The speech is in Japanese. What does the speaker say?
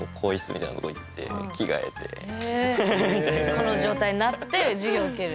この状態になって授業を受ける？